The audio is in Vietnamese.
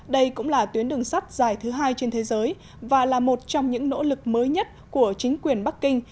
đây cũng là tuyến đường sắt dài thứ hai trên thế giới và là một trong những nỗ lực mới nhất của chính quyền bắc kinh